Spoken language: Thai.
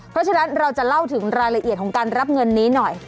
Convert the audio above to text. เพราะฉะนั้นเราจะเล่าถึงรายละเอียดของการรับเงินนี้หน่อย